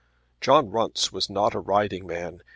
John Runce was not a riding man.